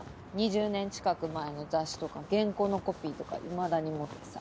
２０年近く前の雑誌とか原稿のコピーとかいまだに持ってさ。